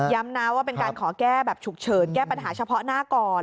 นะว่าเป็นการขอแก้แบบฉุกเฉินแก้ปัญหาเฉพาะหน้าก่อน